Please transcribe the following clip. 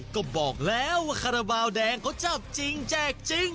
ก็บอกแล้วว่าคาราบาลแดงเขาจับจริงแจกจริง